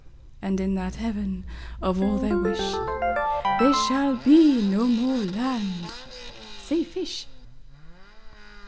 And in that Heaven of all their wish, There shall be no more land, say fish.